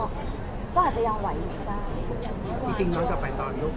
ก็อาจจะยังไหวอยู่ได้